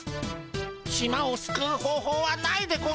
島をすくう方法はないでゴンスか。